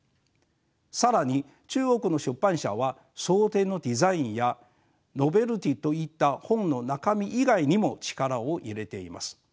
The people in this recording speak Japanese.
更に中国の出版社は装丁のデザインやノベルティーといった本の中身以外にも力を入れています。